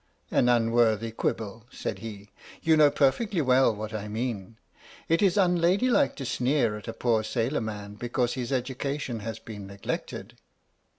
"An unworthy quibble," said he. "You know perfectly well what I mean. It is unladylike to sneer at a poor sailor man because his education has been neglected."